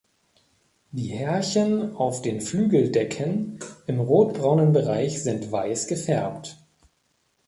Die Härchen auf den Flügeldecken im rotbraunen Bereich sind weiß gefärbt.